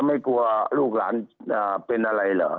ไม่กลัวลูกหลานเป็นอะไรเหรอ